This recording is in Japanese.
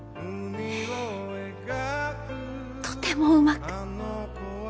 とてもうまく。